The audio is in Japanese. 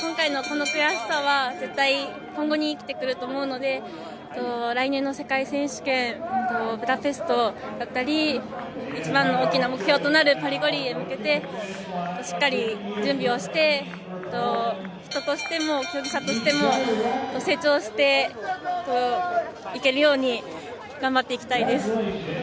今回のこの悔しさは絶対今後に生きてくると思うので来年の世界選手権、ブダペストだったり、一番の大きな目標となるパリ五輪へ向けてしっかり準備をして、人としても競技者としても成長していけるように頑張っていきたいです。